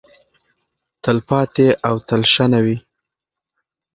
تلپاتې او تلشنه وي.